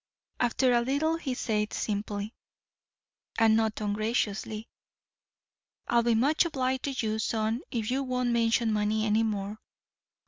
After a little he said simply, and not ungraciously, "I'll be much obliged to you, son, if you won't mention money any more.